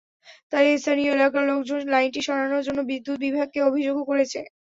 তাই স্থানীয় এলাকার লোকজন লাইনটি সরানো জন্য বিদ্যুৎ বিভাগকে অভিযোগও করেছে।